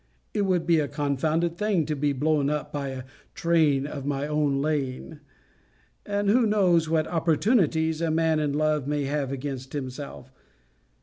It would be a confounded thing to be blown up by a train of my own laying. And who knows what opportunities a man in love may have against himself?